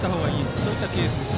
そういったケースです。